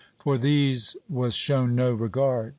For these was shown no regard.